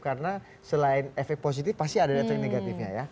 karena selain efek positif pasti ada efek negatifnya ya